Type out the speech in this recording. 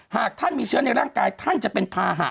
หากท่านมีเชื้อในร่างกายท่านจะเป็นภาหะ